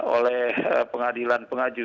oleh pengadilan pengaju